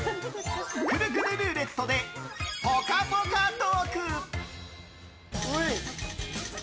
くるくるルーレットでぽかぽかトーク！